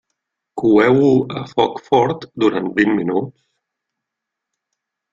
Coeu-ho a foc fort durant vint minuts.